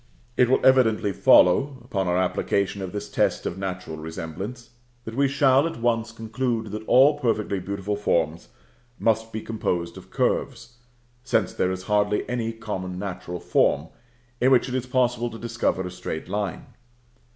It will evidently follow, upon our application of this test of natural resemblance, that we shall at once conclude that all perfectly beautiful forms must be composed of curves; since there is hardly any common natural form in which it is possible to discover a straight line.